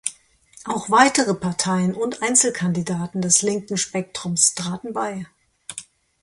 Auch weitere Parteien und Einzelkandidaten des linken Spektrums traten bei.